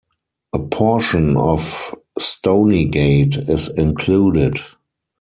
A portion of Stoneygate is included.